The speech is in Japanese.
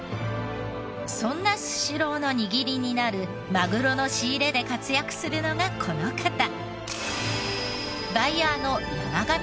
そんなスシローの握りになるマグロの仕入れで活躍するのがこの方。